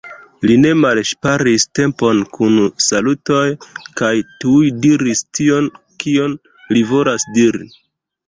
Li ne malŝparis tempon kun salutoj, kaj tuj diris tion, kion li volas diri.